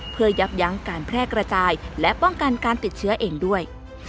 เพื่อยับยั้งการแพร่กระจายและป้องกันการติดเชื้อเองด้วย